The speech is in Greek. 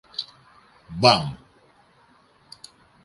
Μπαμ!